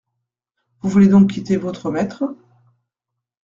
Vous voulez donc quitter votre maître…